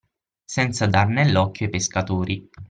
Senza dar nell’occhio ai pescatori